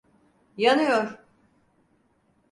Yanıyor!